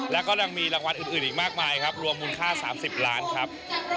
แล้วก็ยังมีรางวัลอื่นอีกมากมายครับรวมมูลค่า๓๐ล้านครับ